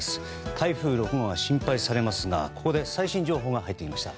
台風６号が心配されますがここで最新情報が入ってきました。